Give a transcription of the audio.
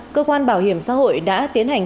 cơ quan bảo hiểm xã hội đã tiến hành